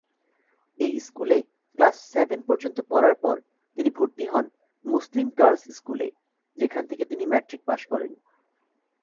এই স্কুলে class seven পর্যন্ত পড়ার পর তিনি ভর্তি হন মুসলিম গার্লস স্কুলে যেখান থেকে তিনি ম্যাট্রিক পাশ করেন।